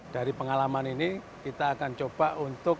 dari pengalaman ini kita akan coba untuk